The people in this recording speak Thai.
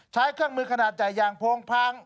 ใช้เครื่องมือขนาดใหญ่อย่างโพงพัง